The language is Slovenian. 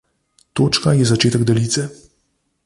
Točka je začetek daljice.